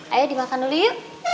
ayo dimakan dulu yuk